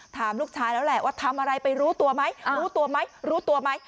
ถามลูกชายแล้วแหละว่าทำอะไรไปรู้ตัวไหมรู้ตัวไหมรู้ตัวไหม